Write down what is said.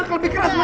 lebih keras ma